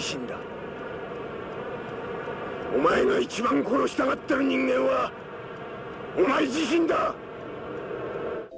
お前が一番殺したがってる人間はお前自身だ！